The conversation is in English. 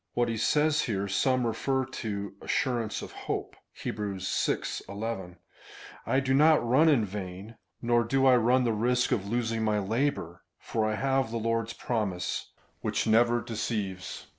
What he says here some refer to assurance of hope — (Heb. vi. 11) — "I do not run in vain, nor do I run the risk of losing my labour, for I have the Lord's promise, which never deceives."